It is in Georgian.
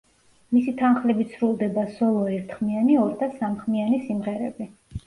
მისი თანხლებით სრულდება სოლო ერთხმიანი, ორ და სამხმიანი სიმღერები.